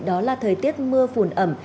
đó là thời tiết mưa phùn ẩm